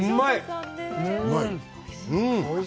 うまい！